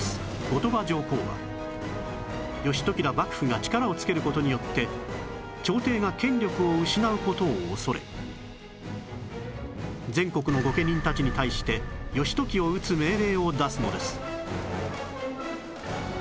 後鳥羽上皇が義時ら幕府が力をつける事によって朝廷が権力を失う事を恐れ全国の御家人たちに対して義時を討つ命令を出すのです